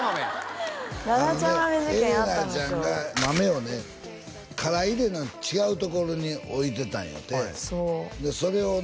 あのねえれなちゃんが豆をね殻入れの違うところに置いてたんやてそれをね